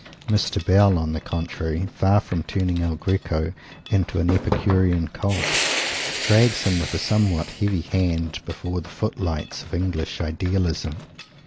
Mr. Bell, on the contrary, far from turning El Greco into an epicurean cult, drags him with a somewhat heavy hand before the footlights of English Idealism.